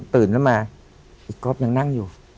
ตื่นขึ้นมาอีกก๊อฟยังนั่งอยู่